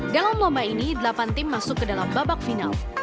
dalam lomba ini delapan tim masuk ke dalam babak final